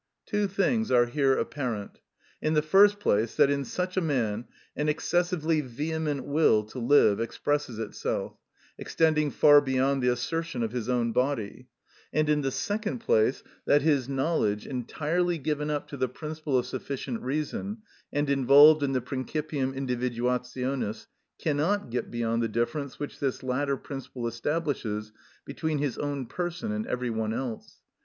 Two things are here apparent. In the first place, that in such a man an excessively vehement will to live expresses itself, extending far beyond the assertion of his own body; and, in the second place, that his knowledge, entirely given up to the principle of sufficient reason and involved in the principium individuationis, cannot get beyond the difference which this latter principle establishes between his own person and every one else.